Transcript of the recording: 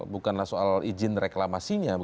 bukanlah soal izin reklamasinya